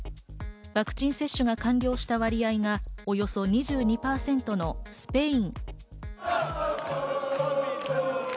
ワクチン接種が完了した割合がおよそ２２％のスペイン。